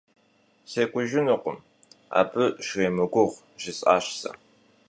СекӀужынукъым, абы щремыгугъ! – жысӀащ сэ.